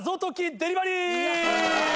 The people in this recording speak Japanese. デリバリー？